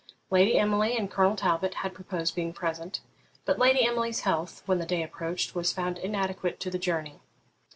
Lady Emily and Colonel Talbot had proposed being present; but Lady Emily's health, when the day approached, was found inadequate to the journey.